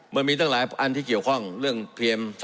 มันมีตั้งหลายอันที่เกี่ยวข้องเรื่องเพียง